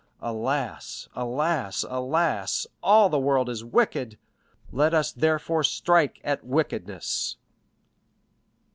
Alas, alas, alas; all the world is wicked; let us therefore strike at wickedness!"